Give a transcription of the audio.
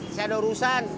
saya ada urusan